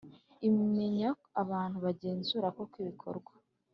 imenya abantu bagenzura koko ibikorwa